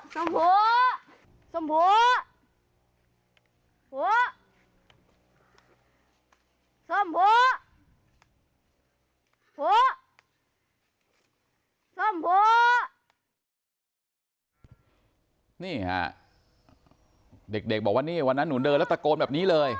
สมภูสมภูนี่ค่ะเด็กเด็กบอกว่านี่วันนั้นหนูเดินแล้วตะโกนแบบนี้เลย